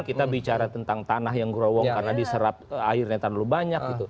kita bicara tentang tanah yang gerowong karena diserap airnya terlalu banyak